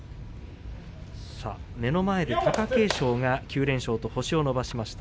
目の前で貴景勝が９連勝と星を伸ばしました